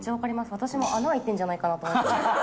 私も穴開いてるんじゃないかなと思って。